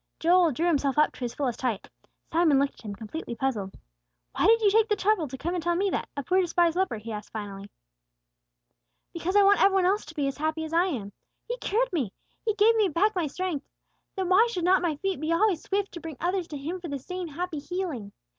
Joel drew himself up to his fullest height. Simon looked at him, completely puzzled. "Why did you take the trouble to come and tell me that, a poor despised leper?" he finally asked. "Because I want everybody else to be as happy as I am. He cured me. He gave me back my strength. Then why should not my feet be always swift to bring others to Him for the same happy healing?